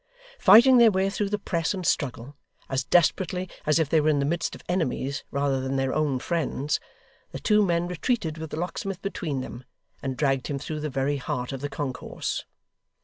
Fighting their way through the press and struggle, as desperately as if they were in the midst of enemies rather than their own friends, the two men retreated with the locksmith between them, and dragged him through the very heart of the concourse.